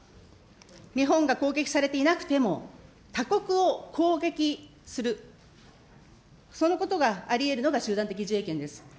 日本が攻撃されていなくても、他国を攻撃する、そのことがありうるのが集団的自衛権です。